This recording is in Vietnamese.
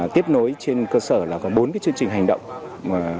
tiếp nối trên cơ sở là có bốn cái chương trình hành động thúc đẩy của năm hai nghìn hai mươi ba